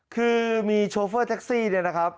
คือมีโชเฟอร์แท็กซี่เนี่ยนะครับ